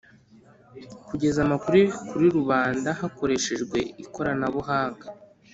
kugeza amakuru kuri rubanda hakoreshejwe ikorana buhanga